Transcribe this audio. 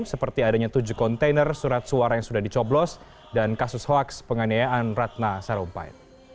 seperti adanya tujuh kontainer surat suara yang sudah dicoblos dan kasus hoaks penganiayaan ratna sarumpait